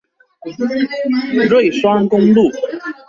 瑞雙公路